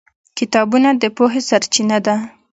کتابونه د پوهې سرچینه ده.